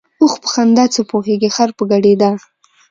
ـ اوښ په خندا څه پوهېږي ، خر په ګډېدا.